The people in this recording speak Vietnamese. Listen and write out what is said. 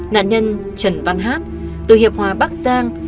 nạn nhân trần văn hát từ hiệp hòa bắc giang